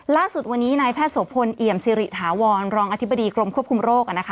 ล่าสุดวันนี้นายแพทย์โสพลเอี่ยมสิริถาวรรองอธิบดีกรมควบคุมโรคนะคะ